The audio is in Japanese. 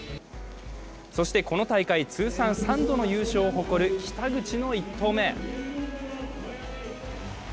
そして、この大会、通算３度の優勝を誇る北口の１投目。